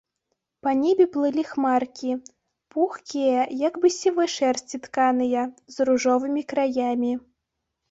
Па небе плылі хмаркі, пухкія, як бы з сівой шэрсці тканыя, з ружовымі краямі.